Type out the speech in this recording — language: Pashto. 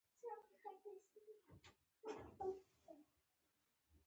د کابل حکومت زموږ د ماموریت په هدف سم پوه شي.